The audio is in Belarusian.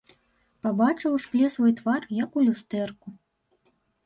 Пабачыў у шкле свой твар, як у люстэрку.